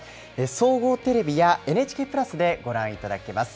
総合テレビやＮＨＫプラスでご覧いただけます。